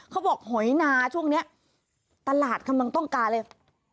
หอยนาช่วงนี้ตลาดกำลังต้องการเลย